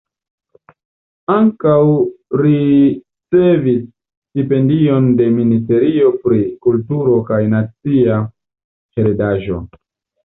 Ankaŭ ricevis stipendion de Ministerio pri Kulturo kaj Nacia Heredaĵo.